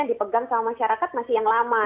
dipegang sama masyarakat masih yang lama